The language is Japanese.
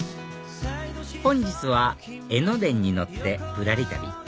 本日は江ノ電に乗ってぶらり旅